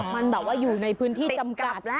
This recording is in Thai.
มันแบบว่าอยู่ในพื้นที่จำกัดแล้ว